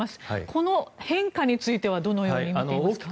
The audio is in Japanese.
この変化についてはどのように見ていますか？